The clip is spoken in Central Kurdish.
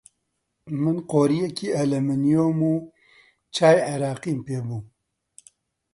من قۆرییەکی ئەلمۆنیۆم و چای عێراقیم پێ بوو